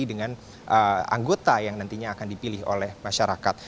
dengan anggota yang nantinya akan dipilih oleh masyarakat